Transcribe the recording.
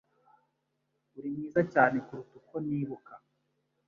Uri mwiza cyane kuruta uko nibuka.